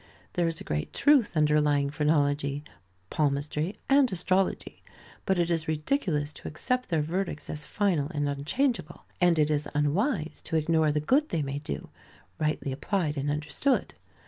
There is a great truth underlying phrenology, palmistry, and astrology; but it is ridiculous to accept their verdicts as final and unchangeable, and it is unwise to ignore the good they may do, rightly applied and understood.